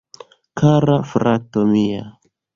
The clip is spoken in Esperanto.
Kara frato mia..